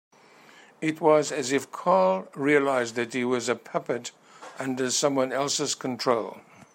It was as if Carl realised that he was a puppet under someone else's control.